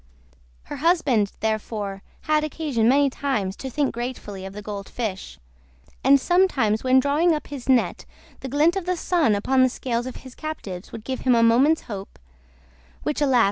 Her husband therefore had occasion many times to think gratefully of the Gold Fish, and sometimes when drawing up his net the glint of the sun upon the scales of his captives would give him a moment's hope—which, alas!